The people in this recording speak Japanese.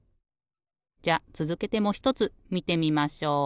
じゃあつづけてもひとつみてみましょう。